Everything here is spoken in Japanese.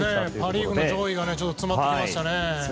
パ・リーグの上位が詰まってきましたね。